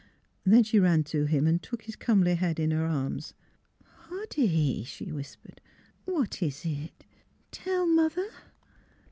" Then she ran to him and took his comely head in her arms. "Hoddy," she whispered, "what is it? Tell mother